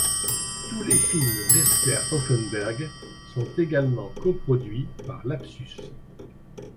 Tous les films d’Esther Hoffenberg sont également coproduits par Lapsus.